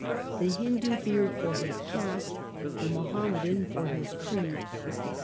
The Hindu feared for his caste ; the Muhammadan for his creed.